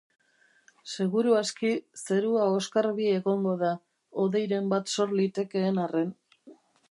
Seguru aski zerua oskarbi egongo da, hodeiren bat sor litekeen arren.